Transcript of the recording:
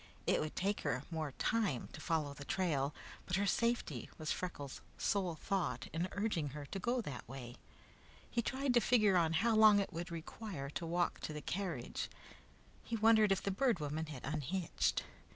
It would take her more time to follow the trail, but her safety was Freckles' sole thought in urging her to go that way. He tried to figure on how long it would require to walk to the carriage. He wondered if the Bird Woman had unhitched.